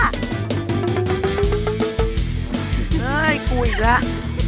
เฮ้ยกูอีกแล้ว